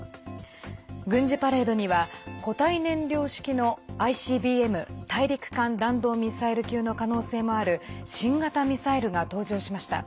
軍事パレードには固体燃料式のＩＣＢＭ＝大陸間弾道ミサイル級の可能性もある新型ミサイルが登場しました。